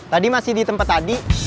tadi masih di tempat tadi